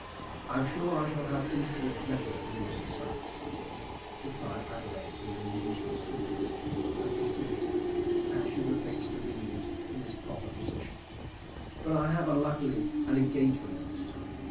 "I am sure I shall have infinite pleasure in your society," replied Adelaide, with her usual sweetness; and placidity, as she replaced a ringlet in its proper position; "but I have unluckily an engagement at this time.